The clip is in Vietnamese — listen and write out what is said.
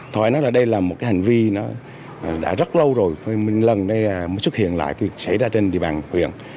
thôi nói đây là một cái hành vi nó đã rất lâu rồi mình lần đây mới xuất hiện lại cái việc xảy ra trên địa bàn huyện